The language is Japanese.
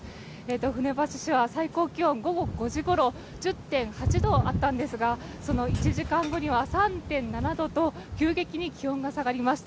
船橋市は最高気温午後５時ごろ１０．８度あったんですがその後には３．７度と急激に気温が下がりました。